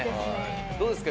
どうですか？